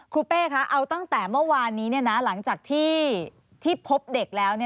เป้คะเอาตั้งแต่เมื่อวานนี้หลังจากที่พบเด็กแล้ว